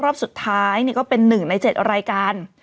รอบสุดท้ายก็เป็น๑ใน๗รายการ